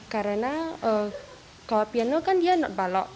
karena kalau piano kan dia not balok